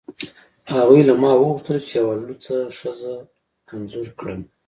هغوی له ما وغوښتل چې یوه لوڅه ښځه انځور کړم